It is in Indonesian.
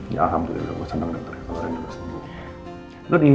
ya alhamdulillah gue seneng dokter